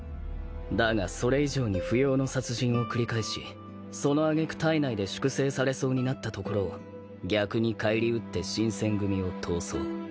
だがそれ以上に不要の殺人を繰り返しその揚げ句隊内で粛清されそうになったところを逆に返り討って新撰組を逃走。